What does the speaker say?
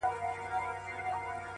• لکه په دښت کي غوړېدلی ګلاب ,